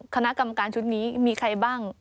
คณะกรรมการชุดนี้มีใครบ้าง